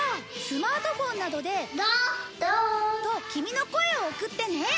スマートフォンなどで。とキミの声を送ってね。